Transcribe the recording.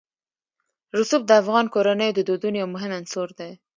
رسوب د افغان کورنیو د دودونو یو مهم عنصر دی.